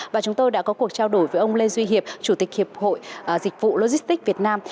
và chúng tôi đã có cuộc trao đổi với ông lê duy hiệp chủ tịch hiệp hội dịch vụ logistics việt nam